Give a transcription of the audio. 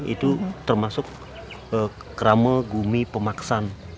itu termasuk krama gumi pemaksan